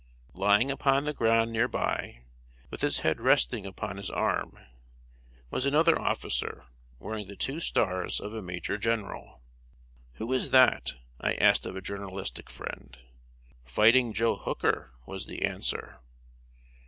Lying upon the ground near by, with his head resting upon his arm, was another officer wearing the two stars of a major general. "Who is that?" I asked of a journalistic friend. "Fighting Joe Hooker," was the answer.